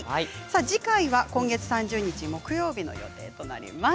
次回は今月３０日木曜日の予定です。